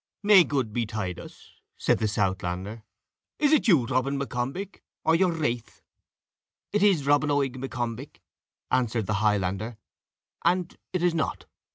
"May good betide us," said the Southlander. "Is this you, Robin M'Combich, or your wraith?" "It is Robin Oig M'Combich," answered the Highlander, "and it is not.